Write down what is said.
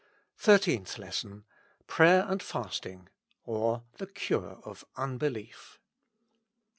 loo THIRTEENTH LESSON. «* Prayer and fasting ;" or, The Cure of Unbelief.